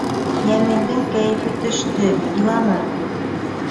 Йәмилдең кәйефе төштө, иланы.